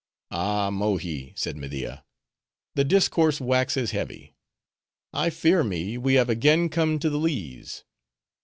"Ah, Mohi," said Media, "the discourse waxes heavy. I fear me we have again come to the lees.